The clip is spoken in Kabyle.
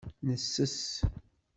Nesses.